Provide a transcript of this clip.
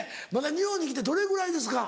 日本に来てどれぐらいですか？